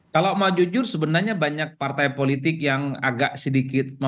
kalau mau jujur sebenarnya banyak partai politik yang agak sedikit